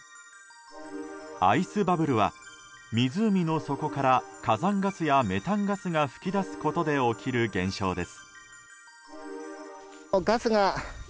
アイスバブルは湖の底から火山ガスやメタンガスが噴き出すことで起きる現象です。